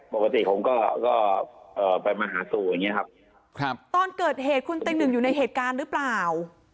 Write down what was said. ปกติผมก็ก็เอ่อไปมาหาสู่อย่างนี้ครับตอนเกิดเหตุคุณเต็งหนึ่งอยู่ในเหตุการณ์หรือเปล่า